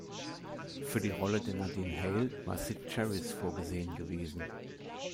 Für die Rolle der Nadine Hale war Cyd Charisse vorgesehen gewesen.